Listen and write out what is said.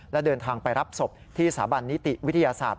และเดินทางไปรับศพที่สถาบันนิติวิทยาศาสตร์